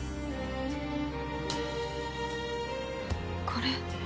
これ。